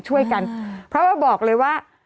ช่วยกันเพราะว่าบอกเลยว่า